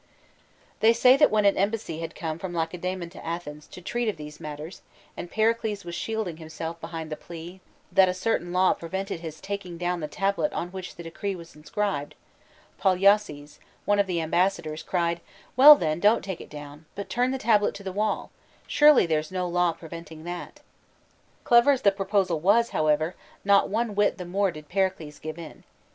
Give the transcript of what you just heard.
XXX. They say that when an embassy had come from Lacedaemon to Athens to treat of these matters, and Pericles was shielding himself behind the plea that a certain law prevented his taking down the tablet on which the decree was inscribed, Polyalces, one of the ambassadors, cried: '' Well then, don't take it down, but turn the tablet to the wall ; surely there's no law preventing that." Clever as the proposal was, however, not one whit the more did Pericles give in.